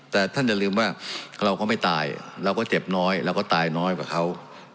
แต่ท่านอย่าลืมว่าเราก็ไม่ตายเราก็เจ็บน้อยเราก็ตายน้อยกว่าเขา